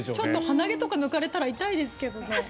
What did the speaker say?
鼻毛とか抜かれたら痛いですけどね。